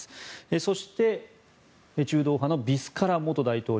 そして中道派のビスカラ元大統領